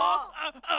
あ